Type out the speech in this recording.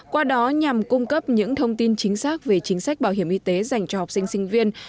qua đó nhằm cung cấp những thông tin chính xác về chính sách bảo hiểm y tế dành cho học sinh sinh viên